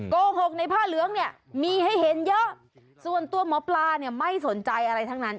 โกหกในผ้าเหลืองเนี่ยมีให้เห็นเยอะส่วนตัวหมอปลาเนี่ยไม่สนใจอะไรทั้งนั้น